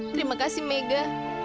terima kasih mega